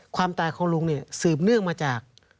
ความตายของลุงเนี่ยสืบเนื่องมาจาก